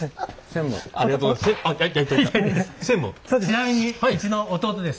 ちなみにうちの弟です。